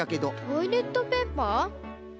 トイレットペーパー？か。